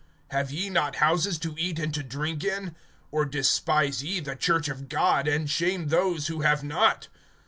have ye not houses to eat and to drink in? Or despise ye the church of God, and shame those who have not?